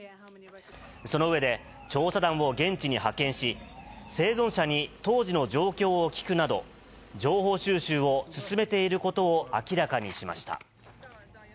その上で、調査団を現地に派遣し、生存者に当時の状況を聞くなど、情報収集を進めていることを明らかにしました。